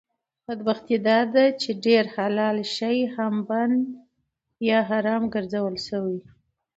بدبختي داده چې ډېر حلال شی هم بند یا حرام ګرځول شوي